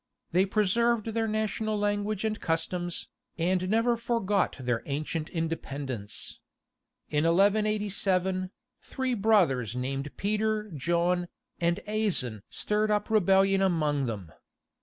They preserved their national language and customs, and never forgot their ancient independence. In 1187, three brothers named Peter, John, and Azan stirred up rebellion among them.